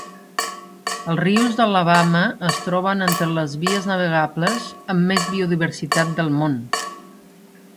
Els rius d'Alabama es troben entre les vies navegables amb més biodiversitat del món.